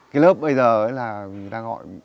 cái lớp bây giờ là người ta gọi